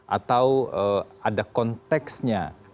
atau ada konteksnya